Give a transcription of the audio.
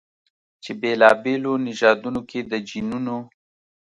چې بېلابېلو نژادونو کې د جینونو